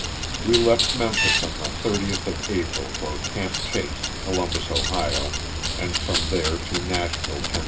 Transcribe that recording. We left Memphis on the 30th of April for ''Camp Chase," Columbus, Ohio, and from there to Nashville, Tenn.